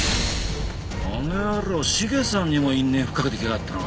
あの野郎茂さんにも因縁ふっかけてきやがったのか。